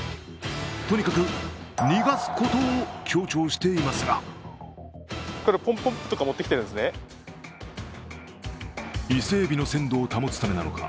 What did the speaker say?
とにかく逃がすことを強調していますが伊勢えびの鮮度を保つためなのか。